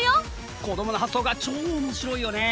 子どもの発想が超おもしろいよねえ！